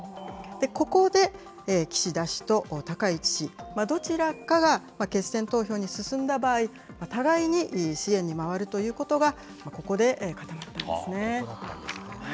ここで岸田氏と高市氏、どちらかが決選投票に進んだ場合、互いに支援に回るということが、ここで固まったんですね。